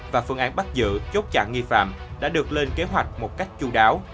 và phương án bắt giữ chốt chặn nghi phạm đã được lên kế hoạch một cách chú đáo